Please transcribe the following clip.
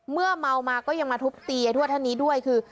เมามาก็ยังมาทุบตียายทวดท่านนี้ด้วยคือ